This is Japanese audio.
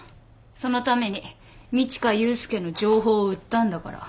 そのために路加雄介の情報売ったんだから。